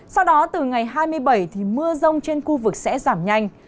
sau đó từ ngày hai mươi bảy thì mưa rông trên khu vực sẽ giảm nhanh